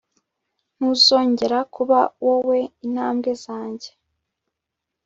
ntuzongera kuba wowe intambwe zanjye